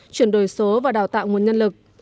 chuyển đổi số và đào tạo nguồn nhân lực